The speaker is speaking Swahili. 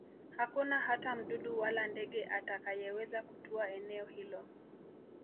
Hakuna hata mdudu wala ndege atakayeweza kutua eneo hilo